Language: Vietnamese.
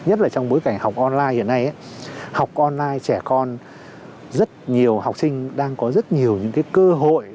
nhất là trong bối cảnh học online hiện nay học online trẻ con rất nhiều học sinh đang có rất nhiều những cơ hội